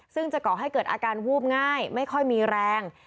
ซึ่งจะก่อให้เกิดอาการวูบง่ายไม่ค่อยมีแรง